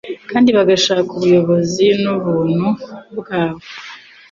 kandi bagashaka ubuyobozi n'ubuntu bwayo.